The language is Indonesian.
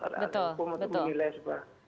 atau arti umum untuk menilai sebuah